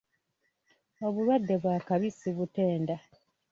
Obulwadde bwa kabi sibutenda.